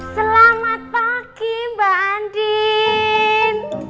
selamat pagi mbak andin